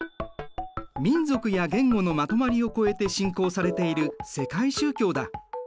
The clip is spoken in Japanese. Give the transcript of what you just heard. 民族や言語のまとまりを超えて信仰されている世界宗教だ。